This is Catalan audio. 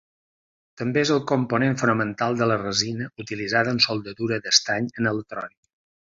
També és el component fonamental de la resina utilitzada en soldadura d'estany en electrònica.